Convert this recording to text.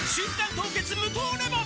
凍結無糖レモン」